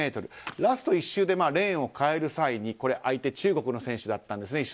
ラスト１周でレーンを変える際に相手、中国の選手だったんです。